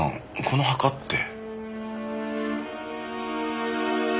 この墓って。